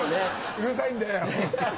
うるさいんだよ！